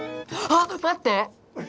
あっ⁉まって！